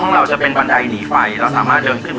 เราบอกอย่างนี้อ่ะ